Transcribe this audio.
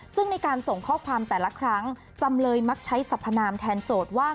ซึ่งในการส่งข้อความแต่ละครั้งจำเลยมักใช้สัพพนามแทนโจทย์ว่า